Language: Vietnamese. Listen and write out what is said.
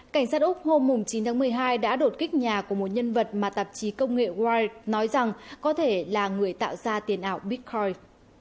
cảnh sát úc hôm chín tháng một mươi hai đã đột kích nhà của một nhân vật mà tạp chí công nghệ white nói rằng có thể là người tạo ra tiền ảo bitcoin